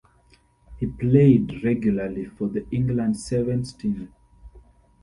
He played regularly for the England Sevens team.